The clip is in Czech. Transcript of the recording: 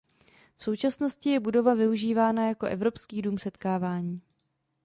V současnosti je budova využívána jako "Evropský dům setkávání".